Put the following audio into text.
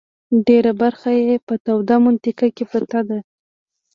ډېره برخه یې په توده منطقه کې پرته ده.